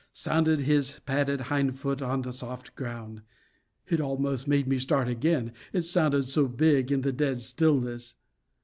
_ sounded his padded hind foot on the soft ground. It almost made me start again, it sounded so big in the dead stillness.